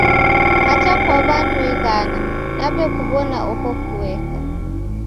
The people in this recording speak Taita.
Hata kwa w'andu ighana naw'ekuw'ona oho kueka.